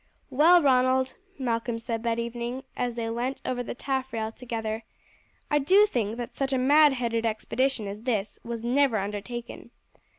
"Well, Ronald," Malcolm said that evening as they leant over the taffrail together, "I do think that such a mad headed expedition as this was never undertaken.